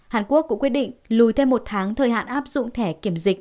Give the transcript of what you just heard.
hàn quốc cũng quyết định lùi thêm một tháng thời hạn áp dụng thẻ kiểm dịch